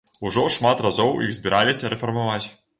Ужо шмат разоў іх збіраліся рэфармаваць.